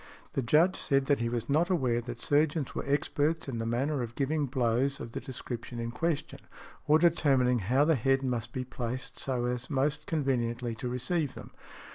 The Judge said that he was not aware that surgeons were experts in the manner of giving blows of the description in question, or determining how the head must be placed so as most conveniently to receive them .